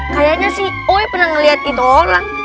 kayaknya si oleh pernah ngelihat itu tolong